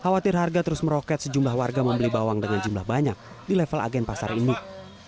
khawatir harga terus meroket sejumlah warga membeli bawang dengan jumlah banyak di level agen pasar induk